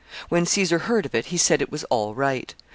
When Caesar heard of it, he said it was all right.